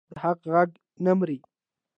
د حق غږ نه مري